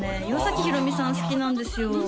岩崎宏美さん好きなんですよ